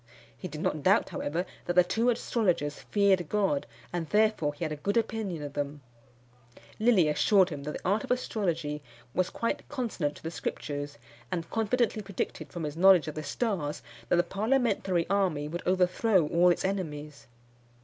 He did not doubt, however, that the two astrologers feared God, and therefore he had a good opinion of them. Lilly assured him that the art of astrology was quite consonant to the Scriptures; and confidently predicted from his knowledge of the stars, that the parliamentary army would overthrow all its enemies.